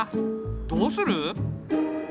どうする？